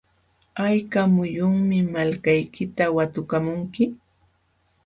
¿hayka muyunmi malkaykita watukamunki?